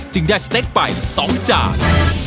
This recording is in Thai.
จึงได้สเนคปลาย๒จาน